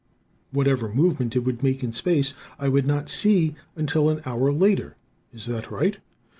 Whatever movement it would make in space, I would not see until an hour later. Is that right?